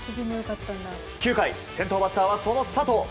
９回、先頭バッターはその佐藤。